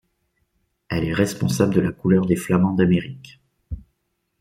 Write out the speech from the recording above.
Elle est responsable de la couleur des flamants d’Amérique.